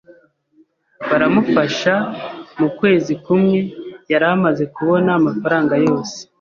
baramufasha, mu kwezi kumwe yari amaze kubona amafaranga yose